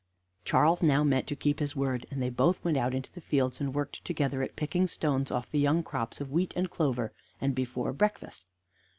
Charles now meant to keep his word, and they both went out into the fields, and worked together at picking stones off the young crops of wheat and clover, and before breakfast.